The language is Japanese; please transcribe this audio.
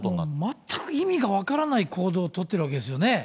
全く意味が分からない行動を取っているわけですよね。